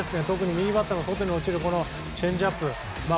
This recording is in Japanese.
右バッターの外に落ちるチェンジアップ。